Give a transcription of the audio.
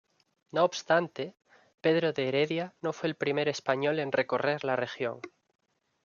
No obstante, Pedro de Heredia no fue el primer español en recorrer la región.